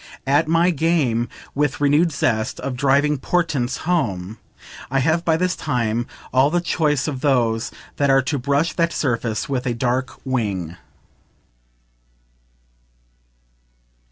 At my game, with renewed zest, of driving portents home, I have by this time all the choice of those that are to brush that surface with a dark wing.